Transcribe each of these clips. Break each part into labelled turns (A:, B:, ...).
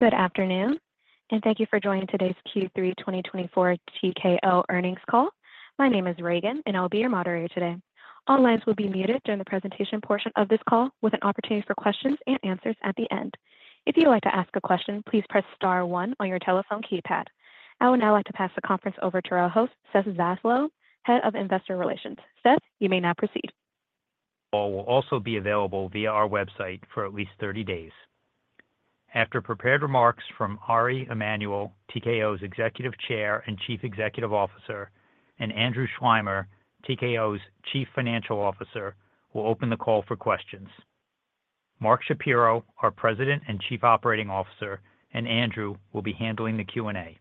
A: Good afternoon, and thank you for joining today's Q3 2024 TKO Earnings Call. My name is Reagan, and I'll be your moderator today. All lines will be muted during the presentation portion of this call, with an opportunity for questions and answers at the end. If you'd like to ask a question, please press star one on your telephone keypad. I would now like to pass the conference over to our host, Seth Zaslow, Head of Investor Relations. Seth, you may now proceed.
B: Will also be available via our website for at least 30 days. After prepared remarks from Ari Emanuel, TKO's Executive Chair and Chief Executive Officer, and Andrew Schleimer, TKO's Chief Financial Officer, will open the call for questions. Mark Shapiro, our President and Chief Operating Officer, and Andrew will be handling the Q&A.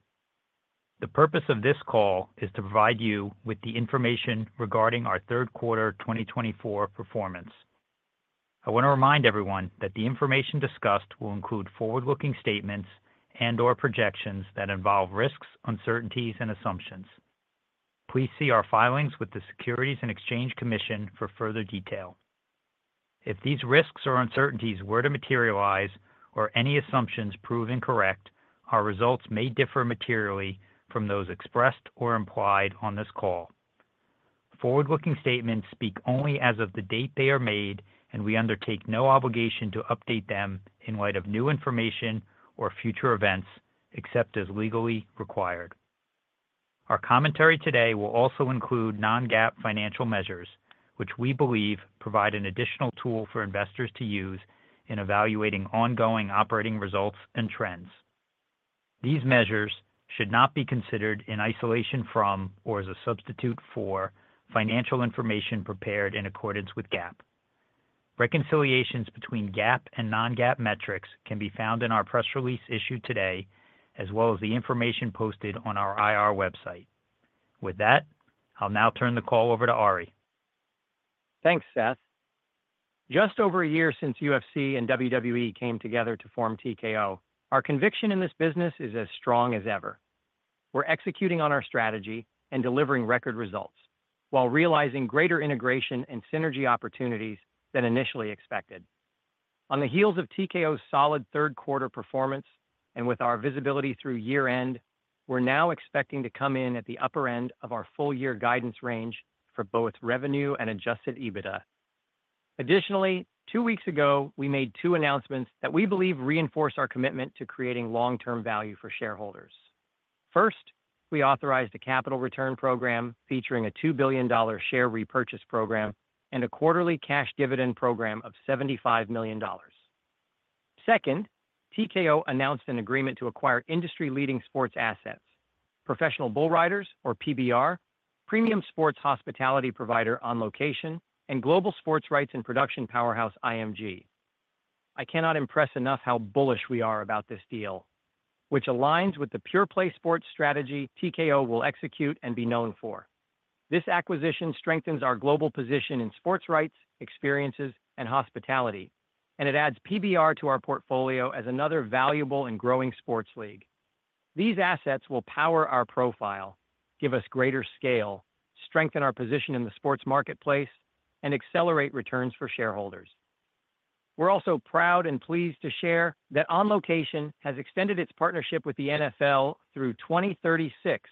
B: The purpose of this call is to provide you with the information regarding our third quarter 2024 performance. I want to remind everyone that the information discussed will include forward-looking statements and/or projections that involve risks, uncertainties, and assumptions. Please see our filings with the Securities and Exchange Commission for further detail. If these risks or uncertainties were to materialize or any assumptions prove incorrect, our results may differ materially from those expressed or implied on this call. Forward-looking statements speak only as of the date they are made, and we undertake no obligation to update them in light of new information or future events, except as legally required. Our commentary today will also include non-GAAP financial measures, which we believe provide an additional tool for investors to use in evaluating ongoing operating results and trends. These measures should not be considered in isolation from or as a substitute for financial information prepared in accordance with GAAP. Reconciliations between GAAP and non-GAAP metrics can be found in our press release issued today, as well as the information posted on our IR website. With that, I'll now turn the call over to Ari.
C: Thanks, Seth. Just over a year since UFC and WWE came together to form TKO, our conviction in this business is as strong as ever. We're executing on our strategy and delivering record results while realizing greater integration and synergy opportunities than initially expected. On the heels of TKO's solid third quarter performance and with our visibility through year-end, we're now expecting to come in at the upper end of our full-year guidance range for both revenue and Adjusted EBITDA. Additionally, two weeks ago, we made two announcements that we believe reinforce our commitment to creating long-term value for shareholders. First, we authorized a capital return program featuring a $2 billion share repurchase program and a quarterly cash dividend program of $75 million. Second, TKO announced an agreement to acquire industry-leading sports assets: Professional Bull Riders, or PBR, premium sports hospitality provider On Location, and global sports rights and production powerhouse IMG. I cannot impress enough how bullish we are about this deal, which aligns with the pure-play sports strategy TKO will execute and be known for. This acquisition strengthens our global position in sports rights, experiences, and hospitality, and it adds PBR to our portfolio as another valuable and growing sports league. These assets will power our profile, give us greater scale, strengthen our position in the sports marketplace, and accelerate returns for shareholders. We're also proud and pleased to share that On Location has extended its partnership with the NFL through 2036,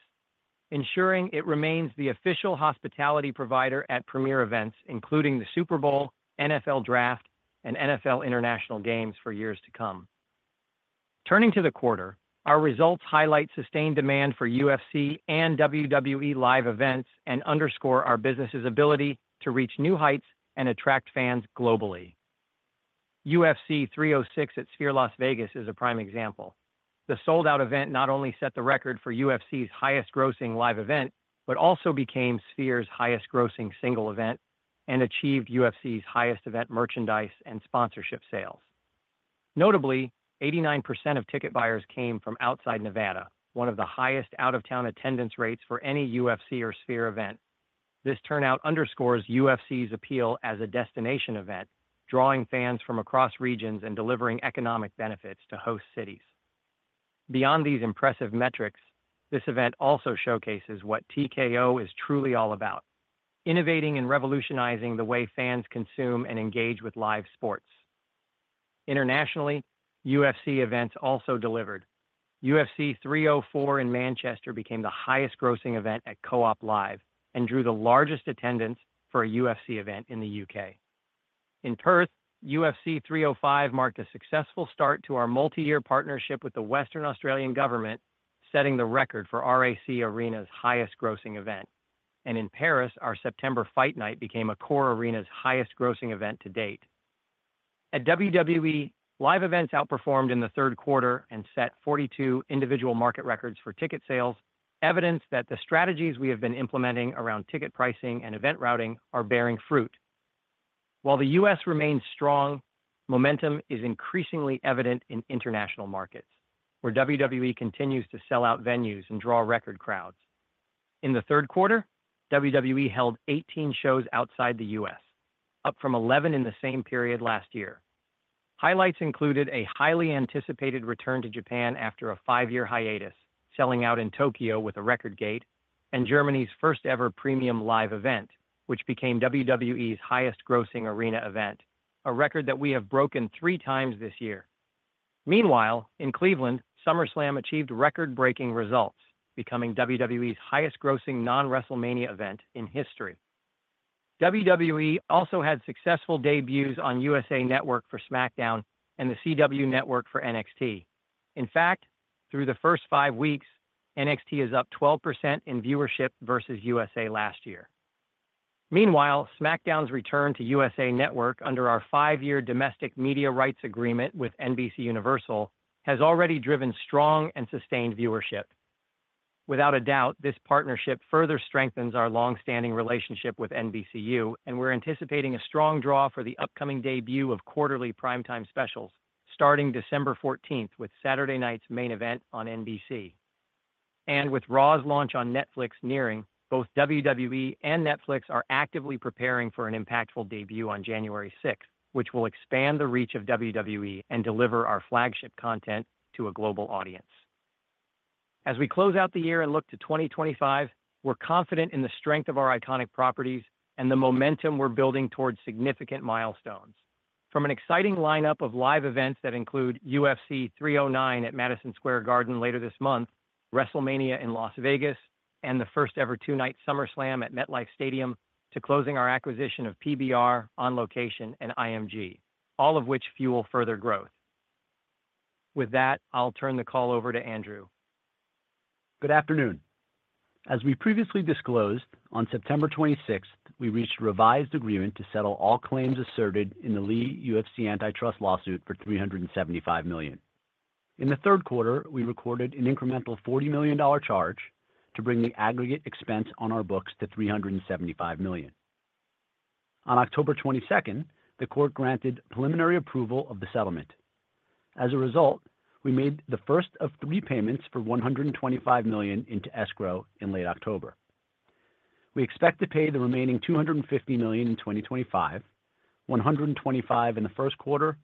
C: ensuring it remains the official hospitality provider at premier events, including the Super Bowl, NFL Draft, and NFL International Games, for years to come. Turning to the quarter, our results highlight sustained demand for UFC and WWE live events and underscore our business's ability to reach new heights and attract fans globally. UFC 306 at Sphere Las Vegas is a prime example. The sold-out event not only set the record for UFC's highest-grossing live event but also became Sphere's highest-grossing single event and achieved UFC's highest event merchandise and sponsorship sales. Notably, 89% of ticket buyers came from outside Nevada, one of the highest out-of-town attendance rates for any UFC or Sphere event. This turnout underscores UFC's appeal as a destination event, drawing fans from across regions and delivering economic benefits to host cities. Beyond these impressive metrics, this event also showcases what TKO is truly all about: innovating and revolutionizing the way fans consume and engage with live sports. Internationally, UFC events also delivered. UFC 304 in Manchester became the highest-grossing event at Co-op Live and drew the largest attendance for a UFC event in the U.K. In Perth, UFC 305 marked a successful start to our multi-year partnership with the Western Australian government, setting the record for RAC Arena's highest-grossing event. And in Paris, our September Fight Night became Accor Arena's highest-grossing event to date. At WWE, live events outperformed in the third quarter and set 42 individual market records for ticket sales, evidence that the strategies we have been implementing around ticket pricing and event routing are bearing fruit. While the U.S. remains strong, momentum is increasingly evident in international markets, where WWE continues to sell out venues and draw record crowds. In the third quarter, WWE held 18 shows outside the U.S., up from 11 in the same period last year. Highlights included a highly anticipated return to Japan after a five-year hiatus, selling out in Tokyo with Premium Live Event, which became WWE's highest-grossing arena event, a record that we have broken three times this year. Meanwhile, in Cleveland, SummerSlam achieved record-breaking results, becoming WWE's highest-grossing non-WrestleMania event in history. WWE also had successful debuts on USA Network for SmackDown and The CW Network for NXT. In fact, through the first five weeks, NXT is up 12% in viewership versus USA last year. Meanwhile, SmackDown's return to USA Network under our five-year domestic media rights agreement with NBCUniversal has already driven strong and sustained viewership. Without a doubt, this partnership further strengthens our long-standing relationship with NBCU, and we're anticipating a strong draw for the upcoming debut of quarterly primetime specials starting December 14 with Saturday Night's Main Event on NBC. With Raw's launch on Netflix nearing, both WWE and Netflix are actively preparing for an impactful debut on January 6, which will expand the reach of WWE and deliver our flagship content to a global audience. As we close out the year and look to 2025, we're confident in the strength of our iconic properties and the momentum we're building towards significant milestones. From an exciting lineup of live events that include UFC 309 at Madison Square Garden later this month, WrestleMania in Las Vegas, and the first-ever two-night SummerSlam at MetLife Stadium, to closing our acquisition of PBR, On Location, and IMG, all of which fuel further growth. With that, I'll turn the call over to Andrew.
D: Good afternoon. As we previously disclosed, on September 26, we reached a revised agreement to settle all claims asserted in the Le UFC antitrust lawsuit for $375 million. In the third quarter, we recorded an incremental $40 million charge to bring the aggregate expense on our books to $375 million. On October 22, the court granted preliminary approval of the settlement. As a result, we made the first of three payments for $125 million into escrow in late October. We expect to pay the remaining $250 million in 2025, $125 in the first quarter,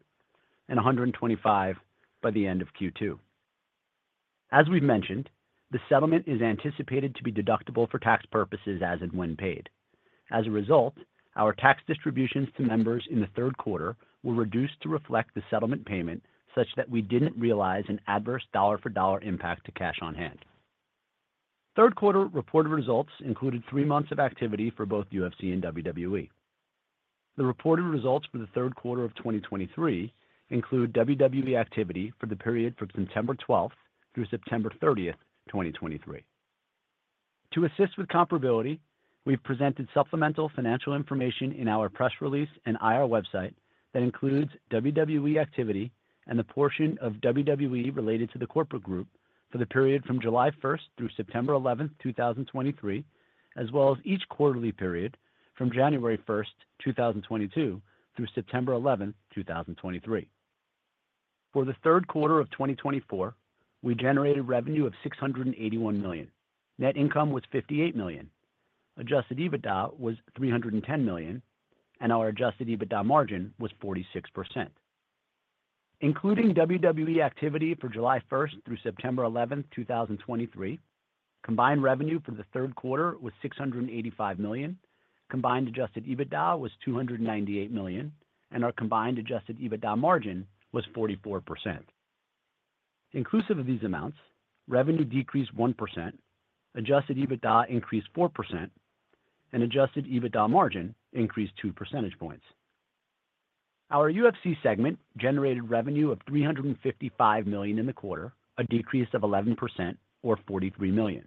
D: and $125 by the end of Q2. As we've mentioned, the settlement is anticipated to be deductible for tax purposes as and when paid. As a result, our tax distributions to members in the third quarter were reduced to reflect the settlement payment such that we didn't realize an adverse dollar-for-dollar impact to cash on hand. Third quarter reported results included three months of activity for both UFC and WWE. The reported results for the third quarter of 2023 include WWE activity for the period from September 12 through September 30, 2023. To assist with comparability, we've presented supplemental financial information in our press release and IR website that includes WWE activity and the portion of WWE related to the corporate group for the period from July 1 through September 11, 2023, as well as each quarterly period from January 1, 2022, through September 11, 2023. For the third quarter of 2024, we generated revenue of $681 million. Net income was $58 million. Adjusted EBITDA was $310 million, and our Adjusted EBITDA margin was 46%. Including WWE activity for July 1 through September 11, 2023, combined revenue for the third quarter was $685 million. Combined Adjusted EBITDA was $298 million, and our combined Adjusted EBITDA margin was 44%. Inclusive of these amounts, revenue decreased 1%, Adjusted EBITDA increased 4%, and Adjusted EBITDA margin increased 2 percentage points. Our UFC segment generated revenue of $355 million in the quarter, a decrease of 11%, or $43 million.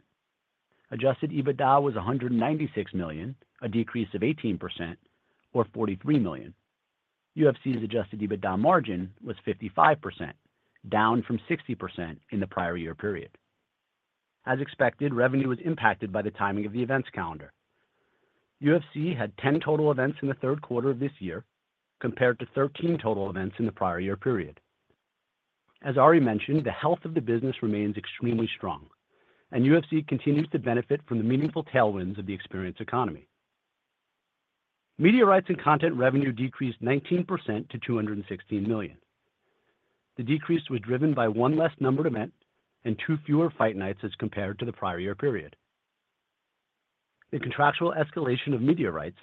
D: Adjusted EBITDA was $196 million, a decrease of 18%, or $43 million. UFC's Adjusted EBITDA margin was 55%, down from 60% in the prior year period. As expected, revenue was impacted by the timing of the events calendar. UFC had 10 total events in the third quarter of this year, compared to 13 total events in the prior year period. As Ari mentioned, the health of the business remains extremely strong, and UFC continues to benefit from the meaningful tailwinds of the experience economy. Media rights and content revenue decreased 19% to $216 million. The decrease was driven by one less numbered event and two fewer Fight Nights as compared to the prior year period. The contractual escalation of media rights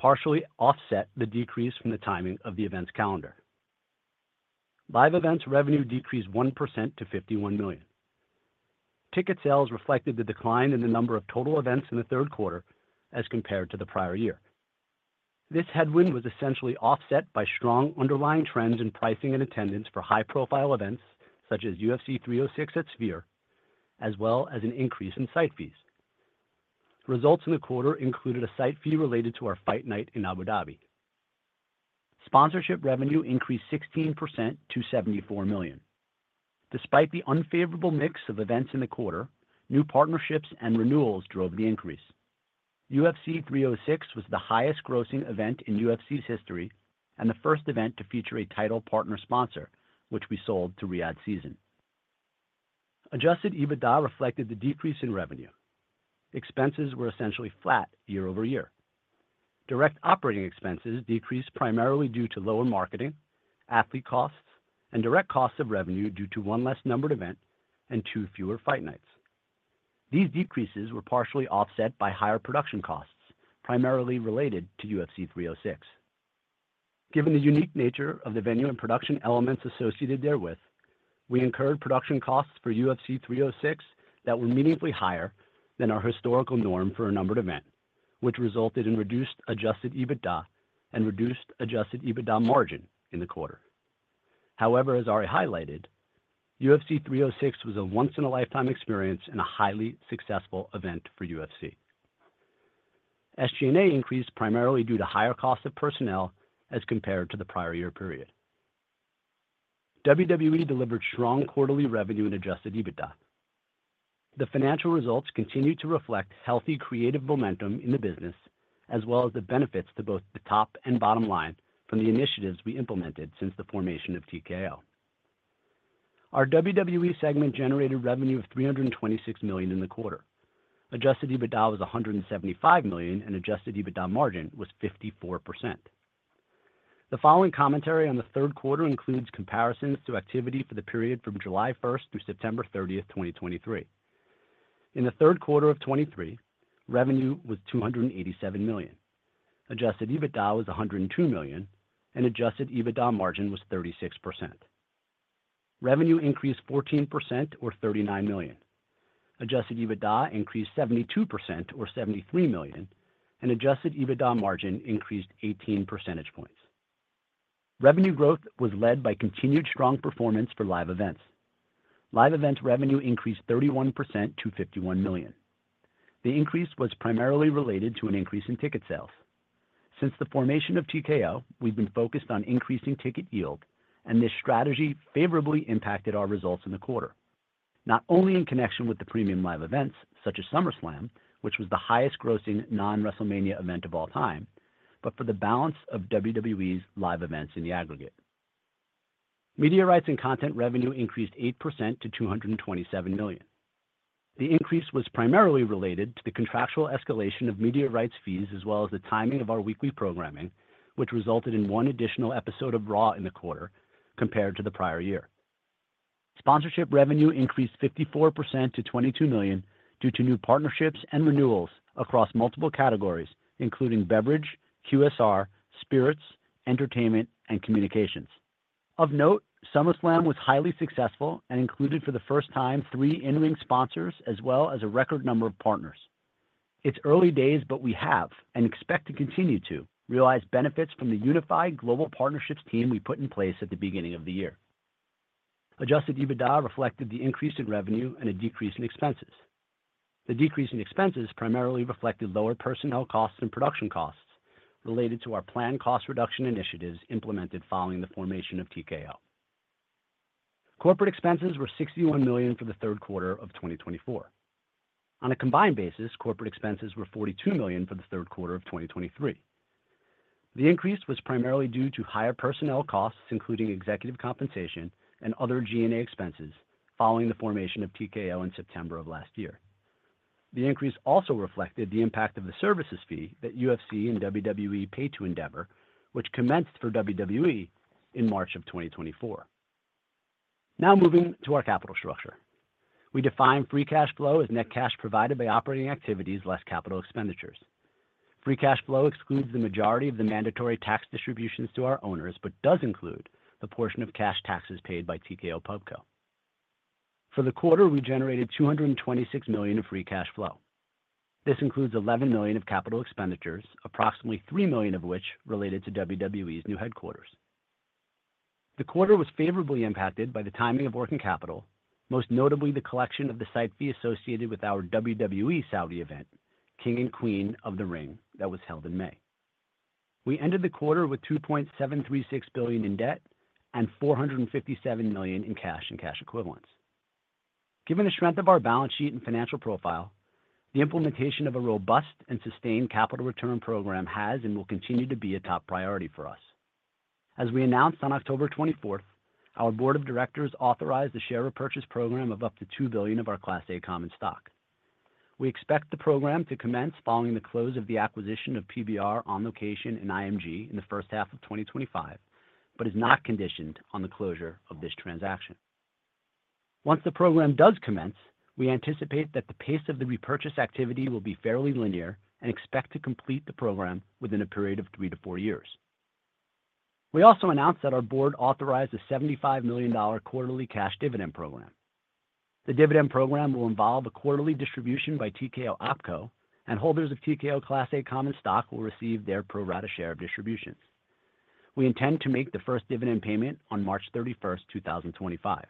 D: partially offset the decrease from the timing of the events calendar. Live events revenue decreased 1% to $51 million. Ticket sales reflected the decline in the number of total events in the third quarter as compared to the prior year. This headwind was essentially offset by strong underlying trends in pricing and attendance for high-profile events such as UFC 306 at Sphere, as well as an increase in site fees. Results in the quarter included a site fee related to our Fight Night in Abu Dhabi. Sponsorship revenue increased 16% to $74 million. Despite the unfavorable mix of events in the quarter, new partnerships and renewals drove the increase. UFC 306 was the highest-grossing event in UFC's history and the first event to feature a title partner sponsor, which we sold to Riyadh Season. Adjusted EBITDA reflected the decrease in revenue. Expenses were essentially flat year-over-year. Direct operating expenses decreased primarily due to lower marketing, athlete costs, and direct costs of revenue due to one less numbered event and two fewer Fight Nights. These decreases were partially offset by higher production costs primarily related to UFC 306. Given the unique nature of the venue and production elements associated therewith, we incurred production costs for UFC 306 that were meaningfully higher than our historical norm for a numbered event, which resulted in reduced Adjusted EBITDA and reduced Adjusted EBITDA margin in the quarter. However, as Ari highlighted, UFC 306 was a once-in-a-lifetime experience and a highly successful event for UFC. SG&A increased primarily due to higher costs of personnel as compared to the prior year period. WWE delivered strong quarterly revenue and Adjusted EBITDA. The financial results continue to reflect healthy creative momentum in the business, as well as the benefits to both the top and bottom line from the initiatives we implemented since the formation of TKO. Our WWE segment generated revenue of $326 million in the quarter. Adjusted EBITDA was $175 million, and Adjusted EBITDA margin was 54%. The following commentary on the third quarter includes comparisons to activity for the period from July 1 through September 30, 2023. In the third quarter of 2023, revenue was $287 million. Adjusted EBITDA was $102 million, and Adjusted EBITDA margin was 36%. Revenue increased 14%, or $39 million. Adjusted EBITDA increased 72%, or $73 million, and Adjusted EBITDA margin increased 18 percentage points. Revenue growth was led by continued strong performance for live events. Live events revenue increased 31% to $51 million. The increase was primarily related to an increase in ticket sales. Since the formation of TKO, we've been focused on increasing ticket yield, and this strategy favorably impacted our results in the quarter, Premium Live Events such as SummerSlam, which was the highest-grossing non-WrestleMania event of all time, but for the balance of WWE's live events in the aggregate. Media rights and content revenue increased 8% to $227 million. The increase was primarily related to the contractual escalation of media rights fees as well as the timing of our weekly programming, which resulted in one additional episode of Raw in the quarter compared to the prior year. Sponsorship revenue increased 54% to $22 million due to new partnerships and renewals across multiple categories, including beverage, QSR, spirits, entertainment, and communications. Of note, SummerSlam was highly successful and included for the first time three in-ring sponsors as well as a record number of partners. It's early days, but we have and expect to continue to realize benefits from the unified global partnerships team we put in place at the beginning of the year. Adjusted EBITDA reflected the increase in revenue and a decrease in expenses. The decrease in expenses primarily reflected lower personnel costs and production costs related to our planned cost reduction initiatives implemented following the formation of TKO. Corporate expenses were $61 million for the third quarter of 2024. On a combined basis, corporate expenses were $42 million for the third quarter of 2023. The increase was primarily due to higher personnel costs, including executive compensation and other G&A expenses following the formation of TKO in September of last year. The increase also reflected the impact of the services fee that UFC and WWE paid to Endeavor, which commenced for WWE in March of 2024. Now moving to our capital structure. We define free cash flow as net cash provided by operating activities less capital expenditures. free cash flow excludes the majority of the mandatory tax distributions to our owners but does include the portion of cash taxes paid by TKO PubCo. For the quarter, we generated $226 million of free cash flow. This includes $11 million of capital expenditures, approximately $3 million of which related to WWE's new headquarters. The quarter was favorably impacted by the timing of working capital, most notably the collection of the site fee associated with our WWE Saudi event, King and Queen of the Ring, that was held in May. We ended the quarter with $2.736 billion in debt and $457 million in cash and cash equivalents. Given the strength of our balance sheet and financial profile, the implementation of a robust and sustained capital return program has and will continue to be a top priority for us. As we announced on October 24, our board of directors authorized the share repurchase program of up to $2 billion of our Class A common stock. We expect the program to commence following the close of the acquisition of PBR, On Location, and IMG in the first half of 2025, but is not conditioned on the closure of this transaction. Once the program does commence, we anticipate that the pace of the repurchase activity will be fairly linear and expect to complete the program within a period of three to four years. We also announced that our board authorized a $75 million quarterly cash dividend program. The dividend program will involve a quarterly distribution by TKO OpCo, and holders of TKO Class A common stock will receive their pro rata share of distributions. We intend to make the first dividend payment on March 31, 2025.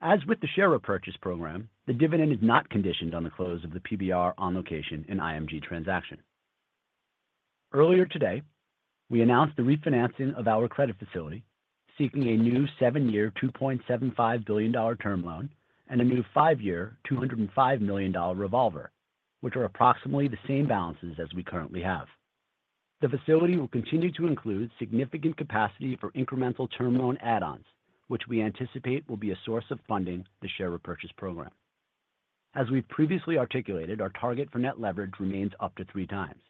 D: As with the share repurchase program, the dividend is not conditioned on the close of the PBR, On Location, and IMG transaction. Earlier today, we announced the refinancing of our credit facility, seeking a new seven-year $2.75 billion term loan and a new five-year $205 million revolver, which are approximately the same balances as we currently have. The facility will continue to include significant capacity for incremental term loan add-ons, which we anticipate will be a source of funding for the share repurchase program. As we've previously articulated, our target for net leverage remains up to three times.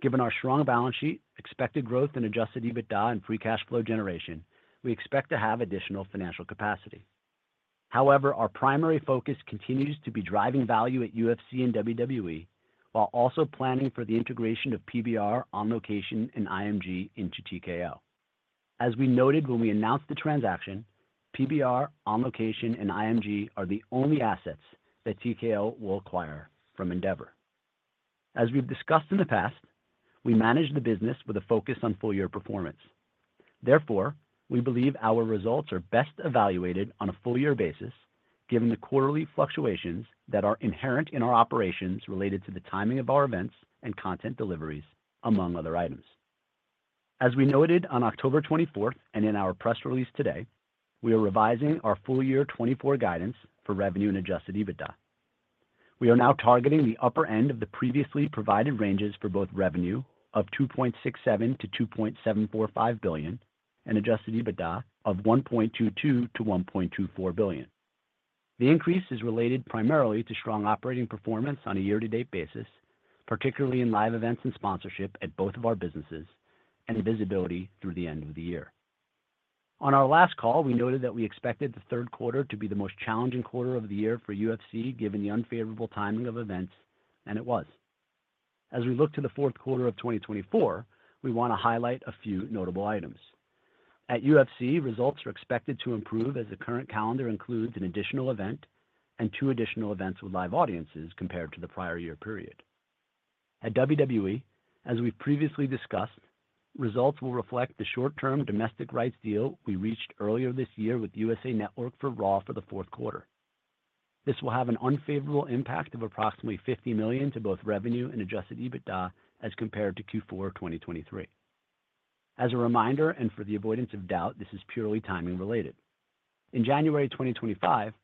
D: Given our strong balance sheet, expected growth in Adjusted EBITDA and free cash flow generation, we expect to have additional financial capacity. However, our primary focus continues to be driving value at UFC and WWE while also planning for the integration of PBR, On Location, and IMG into TKO. As we noted when we announced the transaction, PBR, On Location, and IMG are the only assets that TKO will acquire from Endeavor. As we've discussed in the past, we manage the business with a focus on full-year performance. Therefore, we believe our results are best evaluated on a full-year basis, given the quarterly fluctuations that are inherent in our operations related to the timing of our events and content deliveries, among other items. As we noted on October 24 and in our press release today, we are revising our full-year 2024 guidance for revenue and Adjusted EBITDA. We are now targeting the upper end of the previously provided ranges for both revenue of $2.67-$2.745 billion and Adjusted EBITDA of $1.22-$1.24 billion. The increase is related primarily to strong operating performance on a year-to-date basis, particularly in live events and sponsorship at both of our businesses, and visibility through the end of the year. On our last call, we noted that we expected the third quarter to be the most challenging quarter of the year for UFC given the unfavorable timing of events, and it was. As we look to the fourth quarter of 2024, we want to highlight a few notable items. At UFC, results are expected to improve as the current calendar includes an additional event and two additional events with live audiences compared to the prior year period. At WWE, as we've previously discussed, results will reflect the short-term domestic rights deal we reached earlier this year with USA Network for Raw for the fourth quarter. This will have an unfavorable impact of approximately $50 million to both revenue and Adjusted EBITDA as compared to Q4 2023. As a reminder, and for the avoidance of doubt, this is purely timing related. In January 2025,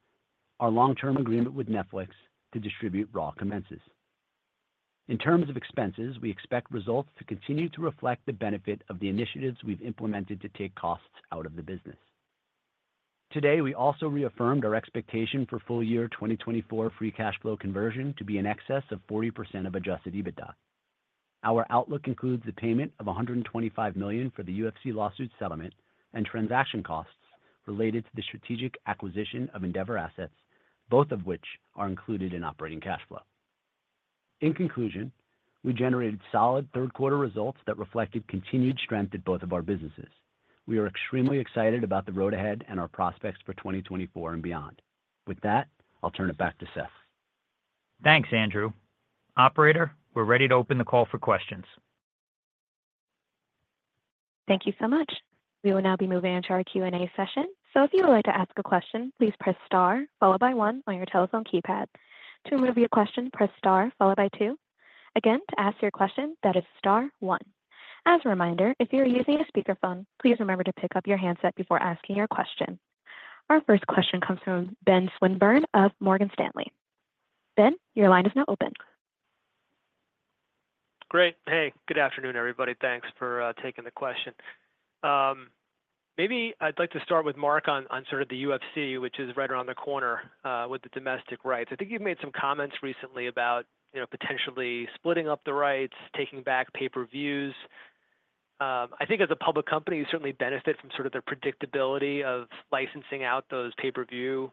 D: our long-term agreement with Netflix to distribute Raw commences. In terms of expenses, we expect results to continue to reflect the benefit of the initiatives we've implemented to take costs out of the business. Today, we also reaffirmed our expectation for full-year 2024 free cash flow conversion to be in excess of 40% of Adjusted EBITDA. Our outlook includes the payment of $125 million for the UFC lawsuit settlement and transaction costs related to the strategic acquisition of Endeavor assets, both of which are included in operating cash flow. In conclusion, we generated solid third-quarter results that reflected continued strength at both of our businesses. We are extremely excited about the road ahead and our prospects for 2024 and beyond. With that, I'll turn it back to Seth.
B: Thanks, Andrew. Operator, we're ready to open the call for questions.
A: Thank you so much. We will now be moving into our Q&A session. So if you would like to ask a question, please press star followed by one on your telephone keypad. To remove your question, press star followed by two. Again, to ask your question, that is star one. As a reminder, if you're using a speakerphone, please remember to pick up your handset before asking your question. Our first question comes from Ben Swinburne of Morgan Stanley. Ben, your line is now open.
E: Great. Hey, good afternoon, everybody. Thanks for taking the question. Maybe I'd like to start with Mark on sort of the UFC, which is right around the corner with the domestic rights. I think you've made some comments recently about potentially splitting up the rights, taking back pay-per-views. I think as a public company, you certainly benefit from sort of the predictability of licensing out those pay-per-view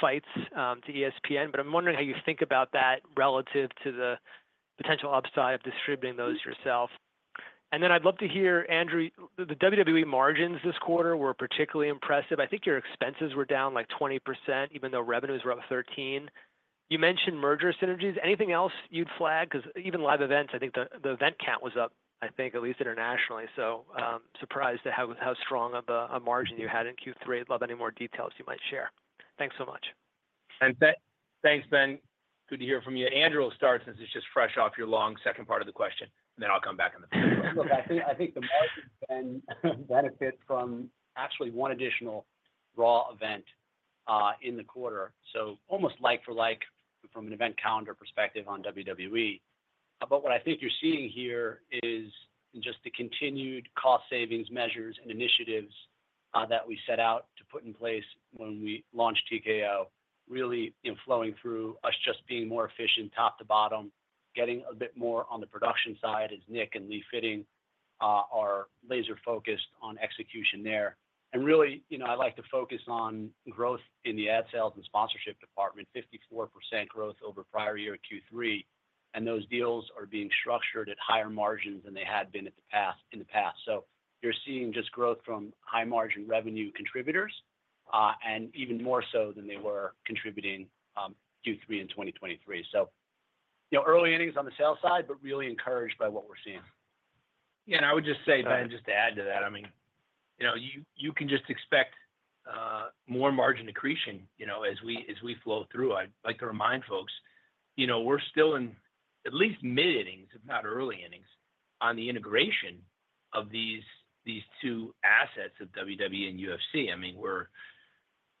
E: fights to ESPN, but I'm wondering how you think about that relative to the potential upside of distributing those yourself. And then I'd love to hear, Andrew, the WWE margins this quarter were particularly impressive. I think your expenses were down like 20%, even though revenues were up 13%. You mentioned merger synergies. Anything else you'd flag? Because even live events, I think the event count was up, I think, at least internationally. So surprised at how strong of a margin you had in Q3. Love any more details you might share. Thanks so much.
F: Thanks, Ben. Good to hear from you. Andrew will start since it's just fresh off your long second part of the question, and then I'll come back in the back.
D: Look, I think the margins then benefit from actually one additional Raw event in the quarter. So almost like-for-like from an event calendar perspective on WWE. But what I think you're seeing here is just the continued cost savings measures and initiatives that we set out to put in place when we launched TKO really flowing through us just being more efficient top to bottom, getting a bit more on the production side as Nick and Lee Fitting are laser-focused on execution there. And really, I like to focus on growth in the ad sales and sponsorship department, 54% growth over prior year Q3, and those deals are being structured at higher margins than they had been in the past. So you're seeing just growth from high-margin revenue contributors and even more so than they were contributing Q3 in 2023. So early earnings on the sell side, but really encouraged by what we're seeing.
F: Yeah, and I would just say, Ben, just to add to that, I mean, you can just expect more margin accretion as we flow through. I'd like to remind folks, we're still in at least mid-earnings, if not early earnings, on the integration of these two assets of WWE and UFC. I mean, we're,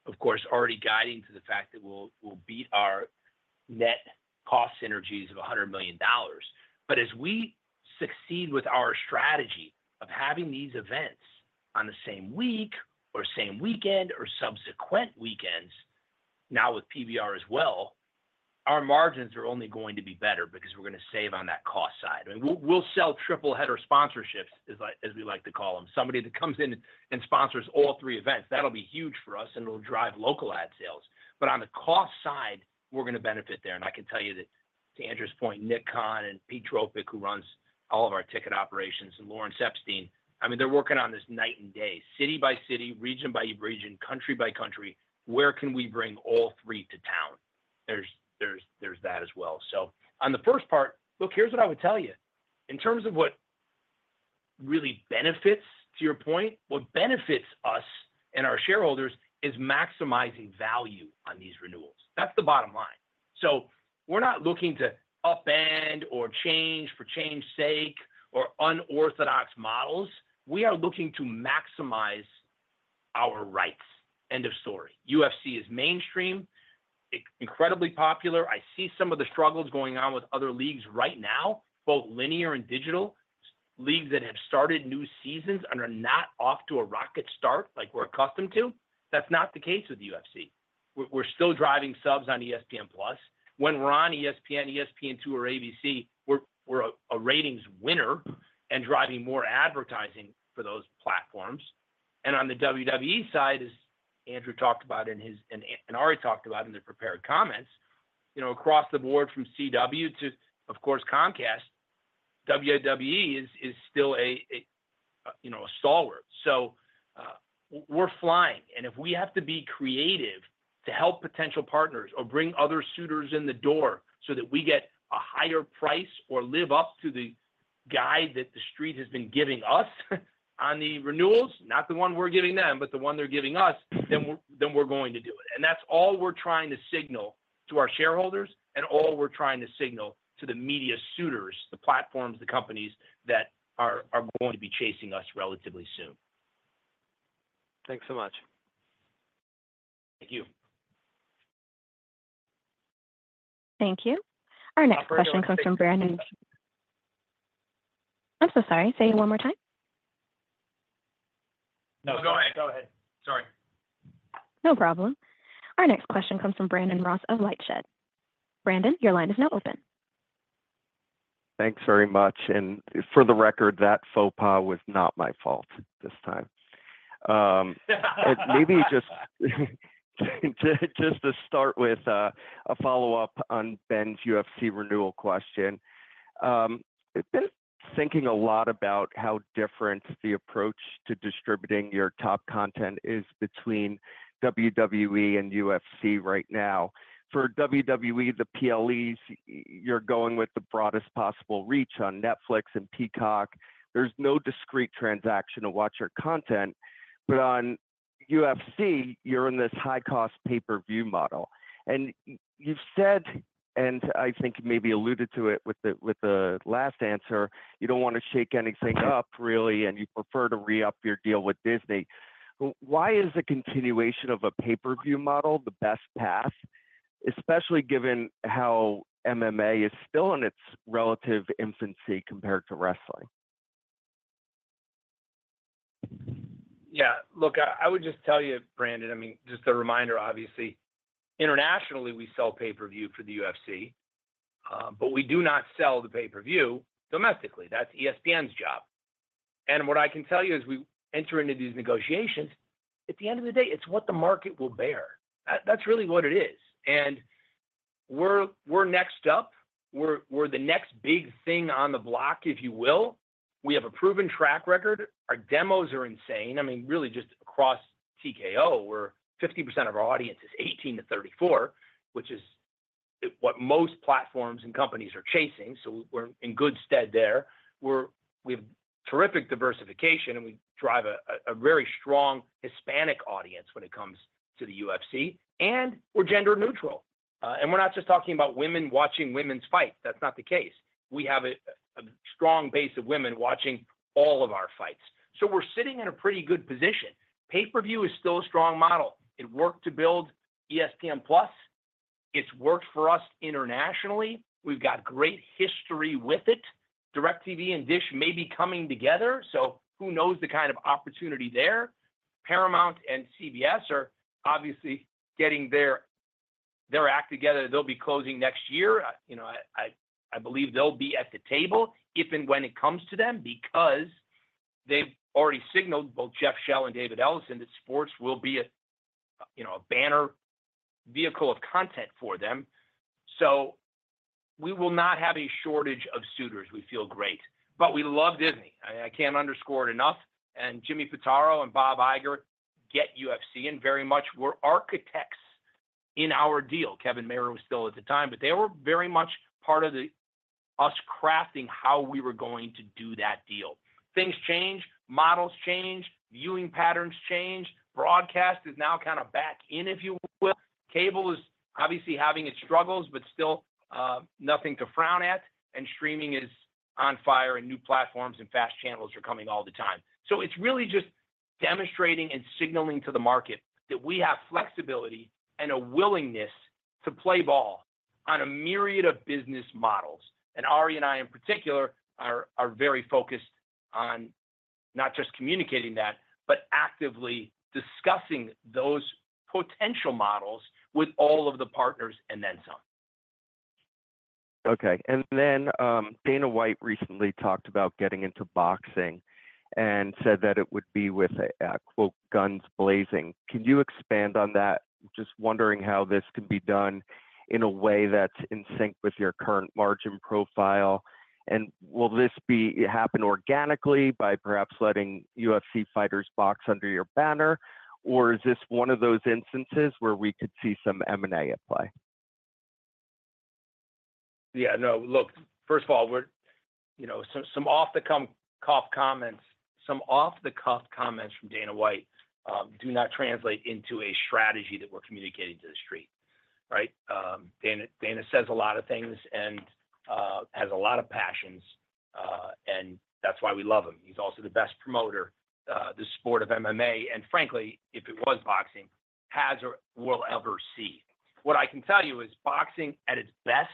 F: of course, already guiding to the fact that we'll beat our net cost synergies of $100 million. But as we succeed with our strategy of having these events on the same week or same weekend or subsequent weekends, now with PBR as well, our margins are only going to be better because we're going to save on that cost side. I mean, we'll sell triple-header sponsorships, as we like to call them. Somebody that comes in and sponsors all three events, that'll be huge for us, and it'll drive local ad sales. But on the cost side, we're going to benefit there. I can tell you that to Andrew's point, Nick Khan and Pete Dropick, who runs all of our ticket operations, and Lawrence Epstein, I mean, they're working on this night and day. City by city, region by region, country by country, where can we bring all three to town? There's that as well. On the first part, look, here's what I would tell you. In terms of what really benefits, to your point, what benefits us and our shareholders is maximizing value on these renewals. That's the bottom line. We're not looking to upend or change for change's sake or unorthodox models. We are looking to maximize our rights. End of story. UFC is mainstream, incredibly popular. I see some of the struggles going on with other leagues right now, both linear and digital, leagues that have started new seasons and are not off to a rocket start like we're accustomed to. That's not the case with UFC. We're still driving subs on ESPN+. When we're on ESPN, ESPN2, or ABC, we're a ratings winner and driving more advertising for those platforms. And on the WWE side, as Andrew talked about and Ari talked about in the prepared comments, across the board from CW to, of course, Comcast, WWE is still a stalwart. So we're flying. And if we have to be creative to help potential partners or bring other suitors in the door so that we get a higher price or live up to the guide that the Street has been giving us on the renewals, not the one we're giving them, but the one they're giving us, then we're going to do it. And that's all we're trying to signal to our shareholders and all we're trying to signal to the media suitors, the platforms, the companies that are going to be chasing us relatively soon.
E: Thanks so much.
C: Thank you.
A: Thank you. Our next question comes from Brandon. I'm so sorry. Say it one more time.
B: No, go ahead. Go ahead. Sorry.
A: No problem. Our next question comes from Brandon Ross of LightShed. Brandon, your line is now open.
G: Thanks very much. For the record, that faux pas was not my fault this time. Maybe just to start with a follow-up on Ben's UFC renewal question, I've been thinking a lot about how different the approach to distributing your top content is between WWE and UFC right now. For WWE, the PLEs, you're going with the broadest possible reach on Netflix and Peacock. There's no discrete transaction to watch your content. But on UFC, you're in this high-cost pay-per-view model. And you've said, and I think you maybe alluded to it with the last answer, you don't want to shake anything up, really, and you prefer to re-up your deal with Disney. Why is the continuation of a pay-per-view model the best path, especially given how MMA is still in its relative infancy compared to wrestling?
F: Yeah. Look, I would just tell you, Brandon, I mean, just a reminder, obviously, internationally, we sell pay-per-view for the UFC, but we do not sell the pay-per-view domestically. That's ESPN's job, and what I can tell you as we enter into these negotiations, at the end of the day, it's what the market will bear. That's really what it is, and we're next up. We're the next big thing on the block, if you will. We have a proven track record. Our demos are insane. I mean, really, just across TKO, where 50% of our audience is 18 to 34, which is what most platforms and companies are chasing, so we're in good stead there. We have terrific diversification, and we drive a very strong Hispanic audience when it comes to the UFC, and we're gender-neutral, and we're not just talking about women watching women's fights. That's not the case. We have a strong base of women watching all of our fights. So we're sitting in a pretty good position. Pay-per-view is still a strong model. It worked to build ESPN+. It's worked for us internationally. We've got great history with it. DirecTV and Dish may be coming together. So who knows the kind of opportunity there? Paramount and CBS are obviously getting their act together. They'll be closing next year. I believe they'll be at the table if and when it comes to them because they've already signaled both Jeff Shell and David Ellison that sports will be a banner vehicle of content for them. So we will not have a shortage of suitors. We feel great. But we love Disney. I can't underscore it enough. And Jimmy Pitaro and Bob Iger get UFC in very much. We're architects in our deal. Kevin Mayer was still at the time, but they were very much part of us crafting how we were going to do that deal. Things change. Models change. Viewing patterns change. Broadcast is now kind of back in, if you will. Cable is obviously having its struggles, but still nothing to frown at. And streaming is on fire, and new platforms and fast channels are coming all the time. So it's really just demonstrating and signaling to the market that we have flexibility and a willingness to play ball on a myriad of business models. And Ari and I, in particular, are very focused on not just communicating that, but actively discussing those potential models with all of the partners and then some.
G: Okay. And then Dana White recently talked about getting into boxing and said that it would be with, quote, "guns blazing." Can you expand on that? Just wondering how this can be done in a way that's in sync with your current margin profile? And will this happen organically by perhaps letting UFC fighters box under your banner? Or is this one of those instances where we could see some M&A at play?
C: Yeah. No, look, first of all, some off-the-cuff comments, some off-the-cuff comments from Dana White do not translate into a strategy that we're communicating to the Street, right? Dana says a lot of things and has a lot of passions, and that's why we love him. He's also the best promoter, the sport of MMA, and frankly, if it was boxing, has or will ever see. What I can tell you is boxing at its best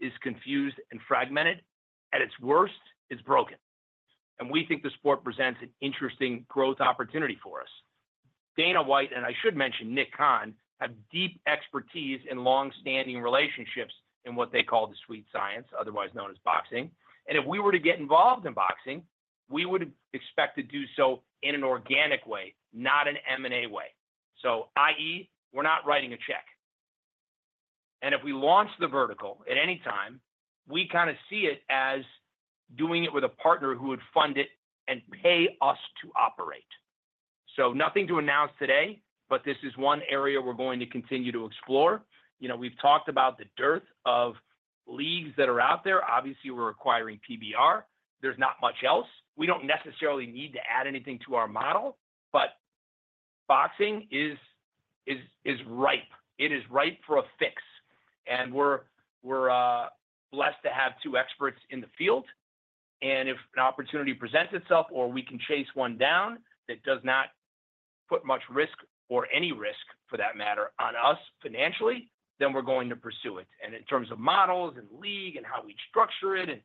C: is confused and fragmented. At its worst, it's broken. And we think the sport presents an interesting growth opportunity for us. Dana White, and I should mention Nick Khan, have deep expertise in long-standing relationships in what they call the sweet science, otherwise known as boxing, and if we were to get involved in boxing, we would expect to do so in an organic way, not an M&A way, so, i.e., we're not writing a check, and if we launch the vertical at any time, we kind of see it as doing it with a partner who would fund it and pay us to operate, so nothing to announce today, but this is one area we're going to continue to explore. We've talked about the dearth of leagues that are out there. Obviously, we're acquiring PBR. There's not much else. We don't necessarily need to add anything to our model, but boxing is ripe. It is ripe for a fix, and we're blessed to have two experts in the field. And if an opportunity presents itself or we can chase one down that does not put much risk or any risk, for that matter, on us financially, then we're going to pursue it. And in terms of models and league and how we structure it,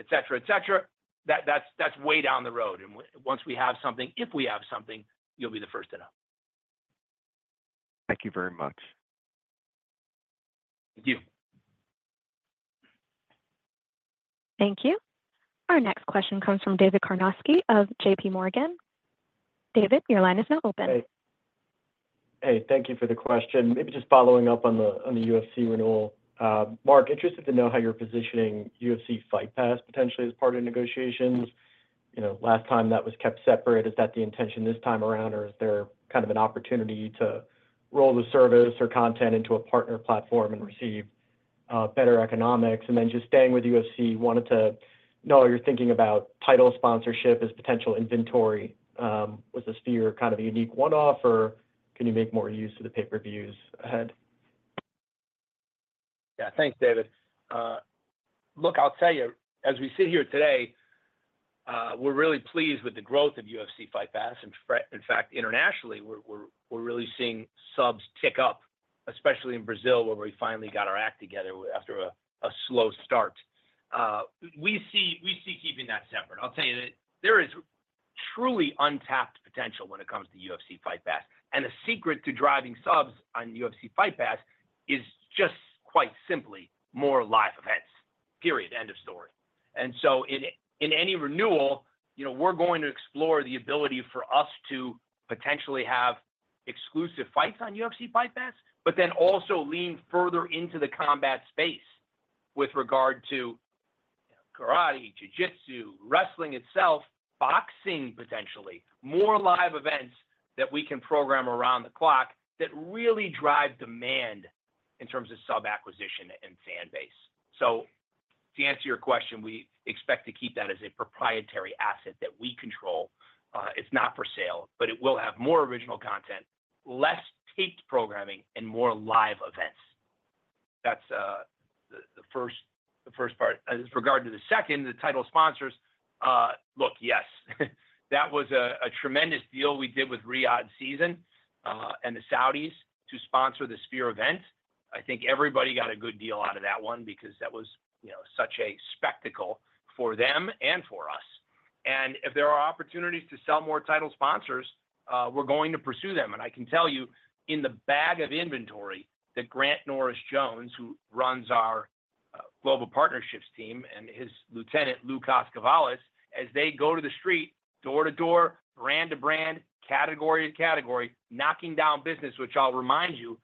C: etc., etc., that's way down the road. And once we have something, if we have something, you'll be the first to know.
G: Thank you very much.
C: Thank you.
A: Thank you. Our next question comes from David Karnovsky of J.P. Morgan. David, your line is now open.
H: Hey. Hey. Thank you for the question. Maybe just following up on the UFC renewal. Mark, interested to know how you're positioning UFC Fight Pass potentially as part of negotiations. Last time that was kept separate. Is that the intention this time around, or is there kind of an opportunity to roll the service or content into a partner platform and receive better economics? And then just staying with UFC, wanted to know how you're thinking about title sponsorship as potential inventory. Was this for your kind of unique one-off, or can you make more use of the pay-per-views ahead?
F: Yeah. Thanks, David. Look, I'll tell you, as we sit here today, we're really pleased with the growth of UFC Fight Pass. In fact, internationally, we're really seeing subs tick up, especially in Brazil where we finally got our act together after a slow start. We see keeping that separate. I'll tell you that there is truly untapped potential when it comes to UFC Fight Pass. And the secret to driving subs on UFC Fight Pass is just quite simply more live events. Period. End of story. And so in any renewal, we're going to explore the ability for us to potentially have exclusive fights on UFC Fight Pass, but then also lean further into the combat space with regard to karate, jujitsu, wrestling itself, boxing potentially, more live events that we can program around the clock that really drive demand in terms of sub acquisition and fan base. So to answer your question, we expect to keep that as a proprietary asset that we control. It's not for sale, but it will have more original content, less taped programming, and more live events. That's the first part. With regard to the second, the title sponsors, look, yes. That was a tremendous deal we did with Riyadh Season and the Saudis to sponsor the Sphere event. I think everybody got a good deal out of that one because that was such a spectacle for them and for us. And if there are opportunities to sell more title sponsors, we're going to pursue them. And I can tell you, in the bag of inventory, that Grant Norris-Jones, who runs our global partnerships team, and his lieutenant, Lou Koskovolis, as they go to the Street, door to door, brand to brand, category to category, knocking down business, which I'll remind you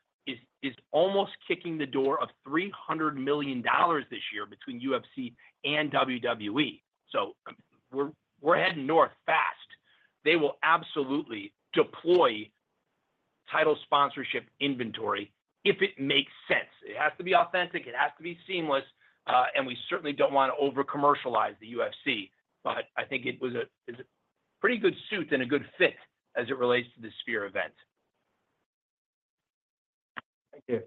F: is almost kicking the door of $300 million this year between UFC and WWE. So we're heading north fast. They will absolutely deploy title sponsorship inventory if it makes sense. It has to be authentic. It has to be seamless. And we certainly don't want to over-commercialize the UFC. But I think it was a pretty good suit and a good fit as it relates to the Sphere event.
H: Thank you.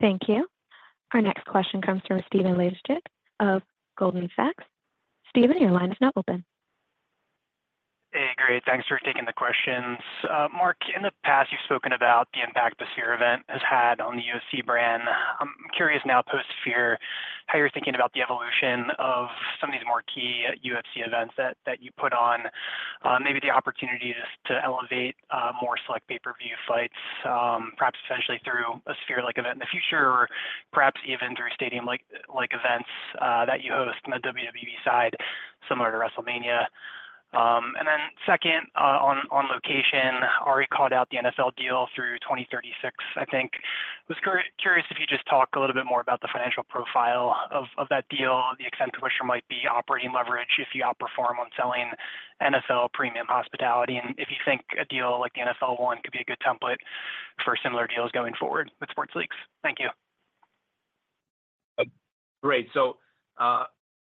A: Thank you. Our next question comes from Stephen Laszczyk of Goldman Sachs. Stephen, your line is now open.
I: Hey. Great. Thanks for taking the questions. Mark, in the past, you've spoken about the impact the Sphere event has had on the UFC brand. I'm curious now, post-Sphere, how you're thinking about the evolution of some of these more key UFC events that you put on, maybe the opportunity to elevate more select pay-per-view fights, perhaps potentially through a Sphere-like event in the future, or perhaps even through stadium-like events that you host on the WWE side, similar to WrestleMania. And then second, On Location, Ari called out the NFL deal through 2036, I think. I was curious if you just talk a little bit more about the financial profile of that deal, the extent to which there might be operating leverage if you outperform on selling NFL premium hospitality, and if you think a deal like the NFL One could be a good template for similar deals going forward with sports leagues. Thank you.
F: Great. So